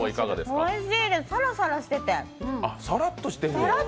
さらさらしててさらっとしてる。